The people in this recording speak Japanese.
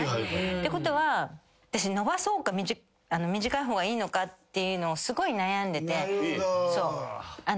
ってことは私伸ばそうか短い方がいいのかっていうのをすごい悩んでて。